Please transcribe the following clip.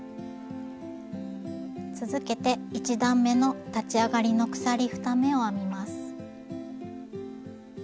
続けて１段めの立ち上がりの鎖２目を編みます。